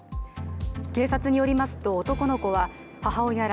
警察によりますと男の子は母親ら